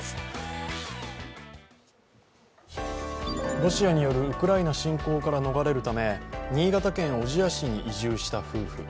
ロシアによるウクライナ侵攻から逃れるため新潟県小千谷市に移住した夫婦。